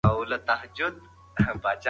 ایا امام غزالې تابعې وه؟